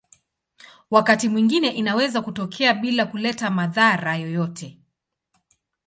Wakati mwingine inaweza kutokea bila kuleta madhara yoyote.